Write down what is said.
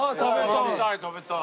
食べたい食べたい。